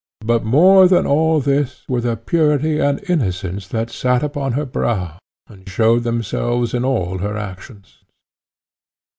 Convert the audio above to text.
But more than all this were the purity and innocence that sate upon her brow, and showed themselves in all her actions.